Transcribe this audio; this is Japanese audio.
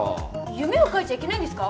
夢を書いちゃいけないんですか？